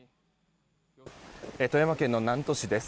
富山県の南砺市です。